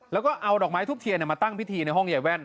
แล้วก็เอาดอกไม้ทุบเทียนมาตั้งพิธีในห้องใยแว่น